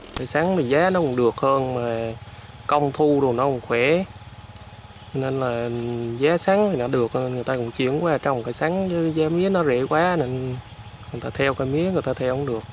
giá sắn thì giá nó cũng được hơn công thu đồ nó cũng khỏe nên là giá sắn thì nó được người ta cũng chuyển qua trồng cái sắn giá mía nó rẻ quá nên người ta theo cái mía người ta theo không được